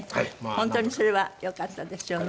本当にそれはよかったですよね。